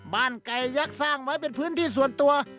ไก่ยักษ์สร้างไว้เป็นพื้นที่ส่วนตัว